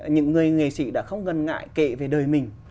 những người nghệ sĩ đã không ngần ngại kể về đời mình